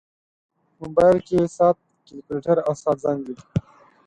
موبایل کې ساعت، کیلکولیټر، او ساعت زنګ وي.